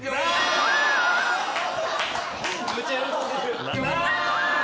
むっちゃ喜んでる。